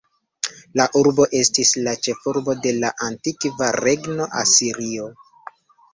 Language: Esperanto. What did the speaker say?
La urbo estis la ĉefurbo de la antikva regno Asirio.